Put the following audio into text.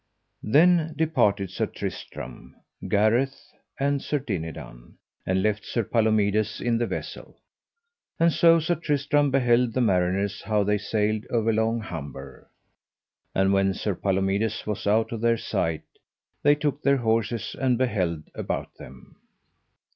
Then departed Sir Tristram, Gareth, and Sir Dinadan, and left Sir Palomides in the vessel; and so Sir Tristram beheld the mariners how they sailed overlong Humber. And when Sir Palomides was out of their sight they took their horses and beheld about them.